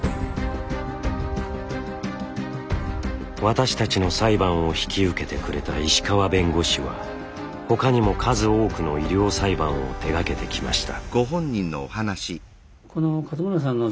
私たちの裁判を引き受けてくれた石川弁護士は他にも数多くの医療裁判を手がけてきました。